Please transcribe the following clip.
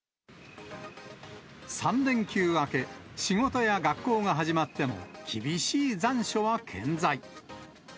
３連休明け、仕事や学校が始まっても、厳しい残暑は健在。